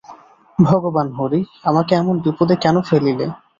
ভগবান হরি, আমাকে এমন বিপদে কেন ফেলিলে।